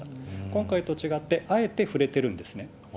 今回と違ってあえて触れてるんですね。